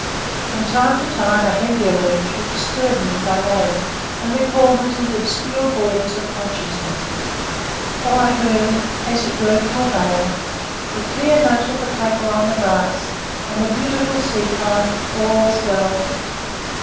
From time to time a heavier lurch would disturb me as I lay, and recall me to the obscure borders of consciousness; or I heard, as it were through a veil, the clear note of the clapper on the brass and the beautiful sea cry, 'All's well!